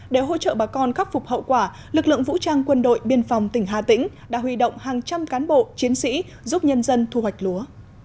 để hỗ trợ bà con khắc phục hậu quả lực lượng vũ trang quân đội biên phòng tỉnh hà tĩnh đã huy động hàng trăm cán bộ chiến sĩ giúp nhân dân thu hoạch lúa